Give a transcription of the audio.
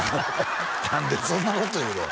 「何でそんなこと言うの？